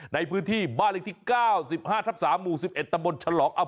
ในพื้นที่บ้านเลขที่๙๕ทับ๓หมู่๑๑ตำบลฉลอง